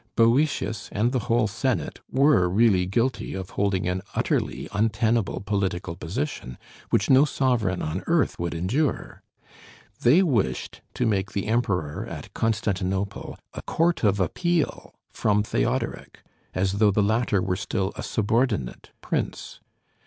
Boëtius and the whole Senate were really guilty of holding an utterly untenable political position, which no sovereign on earth would endure: they wished to make the Emperor at Constantinople a court of appeal from Theodoric, as though the latter were still a subordinate prince.